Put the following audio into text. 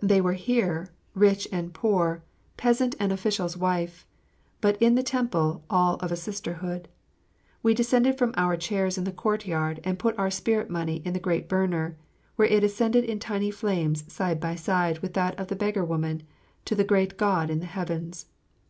They were here, rich and poor, peasant and official's wife, but in the temple all of a sisterhood. We descended from our chairs in the courtyard and put our spirit money in the great burner, where it ascended in tiny flames side by side with that of the beggar woman, to the great God in the Heavens.